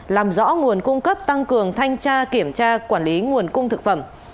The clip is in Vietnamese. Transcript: làm rõ nguồn cung cấp tăng cường thanh tra kiểm tra quản lý nguồn cung thực phẩm